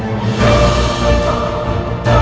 pembunuhnya apaan sih